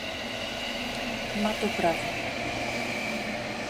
Ma to prawo